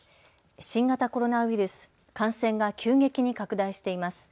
新型コロナウイルス、感染が急激に拡大しています。